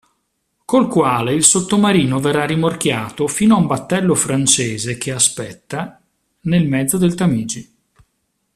Col quale il sottomarino verrà rimorchiato fino a un battello francese che aspetta, nel mezzo del Tamigi…